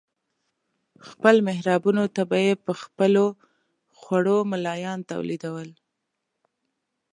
خپلو محرابونو ته به یې په خپلو خوړو ملایان تولیدول.